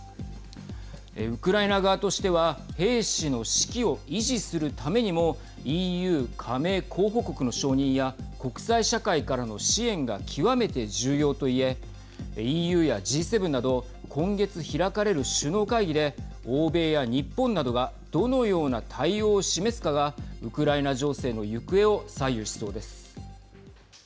ウクライナ側としては兵士の士気を維持するためにもＥＵ加盟候補国の承認や国際社会からの支援が極めて重要といえＥＵやＧ７など今月開かれる首脳会議で欧米や日本などがどのような対応を示すかがウクライナ情勢の行方を左右しそうです。